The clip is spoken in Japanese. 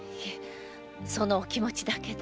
そのお気持ちだけで。